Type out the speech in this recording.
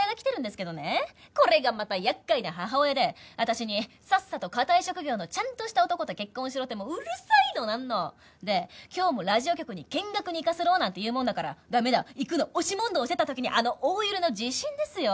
これがまた厄介な母親で私に「さっさと堅い職業のちゃんとした男と結婚しろ」ってもううるさいのなんの。で今日もラジオ局に見学に行かせろなんて言うもんだから「ダメだ」「行く」の押し問答をしてた時にあの大揺れの地震ですよ。